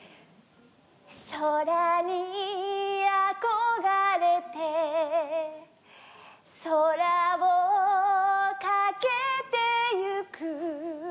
「空に憧れて」「空をかけてゆく」